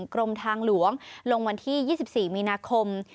กรมทางหลวงลงวันที่๒๔มีนาคม